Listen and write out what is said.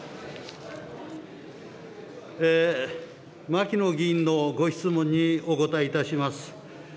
牧野議員のご質問にお答えいたします。